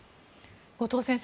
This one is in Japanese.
後藤先生